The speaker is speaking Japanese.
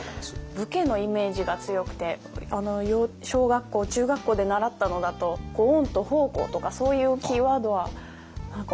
武家のイメージが強くて小学校中学校で習ったのだとそういうキーワードは何か覚えてますね。